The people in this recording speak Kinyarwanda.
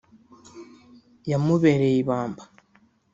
yamubereye ibamba